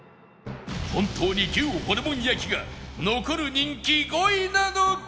本当に牛ホルモン焼が残る人気５位なのか？